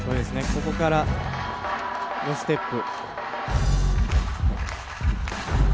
ここからのステップ。